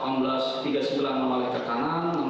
menoleh ke kanan